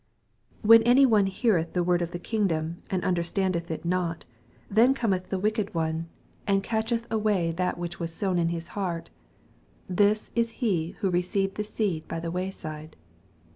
19 When any one heareth the word of the kingdom, and understandeth U not, then cometh the wick^ <m$^ and MATTHEW, CHAP. XHI. 141 flM^heth away tba^, which was sown m his heart. This is he which re ceived seed by the way side.